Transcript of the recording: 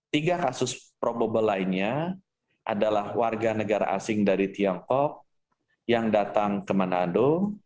tiga kasus probable lainnya adalah warga negara asing dari tiongkok yang datang ke manado